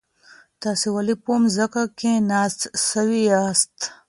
تاسي ولي په مځکي ناست سواست؟